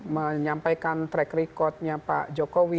menyampaikan track recordnya pak jokowi